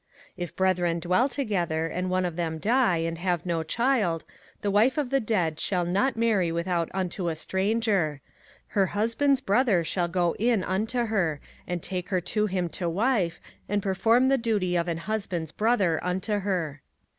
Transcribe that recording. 05:025:005 If brethren dwell together, and one of them die, and have no child, the wife of the dead shall not marry without unto a stranger: her husband's brother shall go in unto her, and take her to him to wife, and perform the duty of an husband's brother unto her.